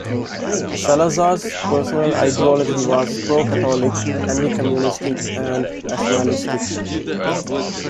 Salazar's personal ideology was pro-Catholic, anti-communist and nationalistic.